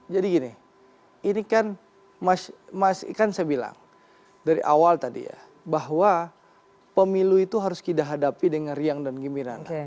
jadi gini ini kan saya bilang dari awal tadi ya bahwa pemilu itu harus kita hadapi dengan riang dan keimpinan